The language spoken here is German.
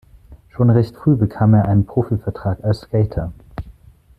Schon recht früh bekam er einen Profivertrag als Skater.